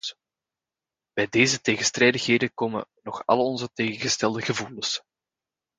Bij deze tegenstrijdigheden komen nog al onze tegengestelde gevoelens.